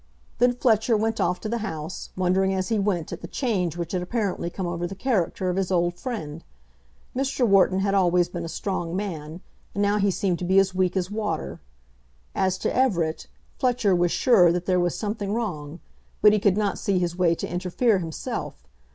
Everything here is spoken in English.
Then Fletcher went off to the House, wondering as he went at the change which had apparently come over the character of his old friend. Mr. Wharton had always been a strong man, and now he seemed to be as weak as water. As to Everett, Fletcher was sure that there was something wrong, but he could not see his way to interfere himself.